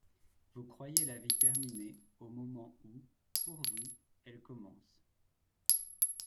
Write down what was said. Vous croyez la vie terminée au moment où, pour vous, elle commence.